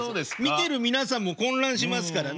見てる皆さんも混乱しますからね。